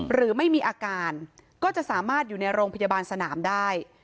หรือไม่มีอาการก็จะสามารถอยู่ในโรงพยาบาลสนามได้